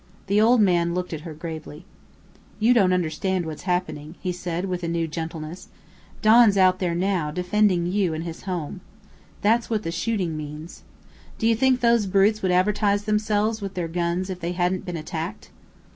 The old man looked at her gravely. "You don't understand what's happening," he said, with a new gentleness. "Don's out there now, defending you and his home. That's what the shooting means. Do you think those brutes would advertise themselves with their guns if they hadn't been attacked?"